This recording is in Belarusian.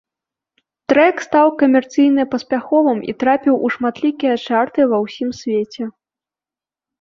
Трэк стаў камерцыйна паспяховым і трапіў у шматлікія чарты ва ўсім свеце.